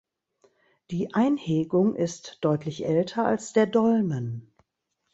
Die Einhegung ist deutlich älter als der Dolmen.